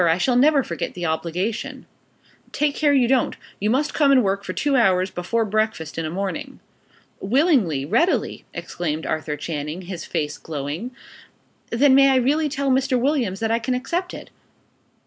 I shall never forget the obligation." "Take care you don't. You must come and work for two hours before breakfast in a morning." "Willingly readily!" exclaimed Arthur Channing, his face glowing. "Then may I really tell Mr. Williams that I can accept it?"